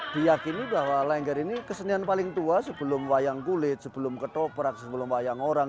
diyakini bahwa lengger ini kesenian paling tua sebelum wayang kulit sebelum ketoprak sebelum wayang orang